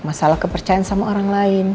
masalah kepercayaan sama orang lain